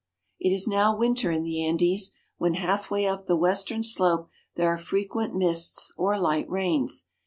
It is now winter in the Andes, when halfway up the western slope there are frequent mists or light rains.